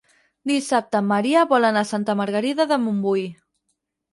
Dissabte en Maria vol anar a Santa Margarida de Montbui.